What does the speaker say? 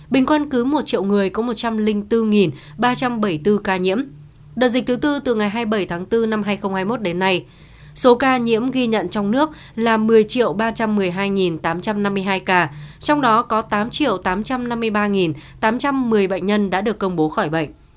bình quân cứ một triệu người có một trăm linh bốn ba trăm bảy mươi bốn ca nhiễm đợt dịch thứ tư từ ngày hai mươi bảy tháng bốn năm hai nghìn hai mươi một đến nay số ca nhiễm ghi nhận trong nước là một mươi ba trăm một mươi hai tám trăm năm mươi hai ca trong đó có tám tám trăm năm mươi ba tám trăm một mươi bệnh nhân đã được công bố khỏi bệnh